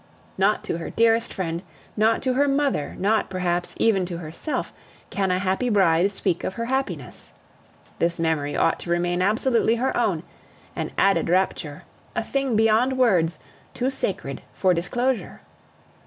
Not to her dearest friend, not to her mother, not, perhaps, even to herself, can a happy bride speak of her happiness. This memory ought to remain absolutely her own, an added rapture a thing beyond words, too sacred for disclosure!